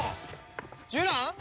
ジュラン？